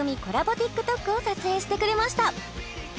ＴｉｋＴｏｋを撮影してくれました